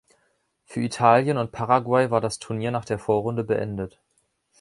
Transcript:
Für Italien und Paraguay war das Turnier nach der Vorrunde beendet.